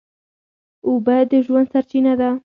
اوبه د ژوند سرچینه ده.